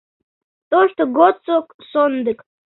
Тошто годсо сондык.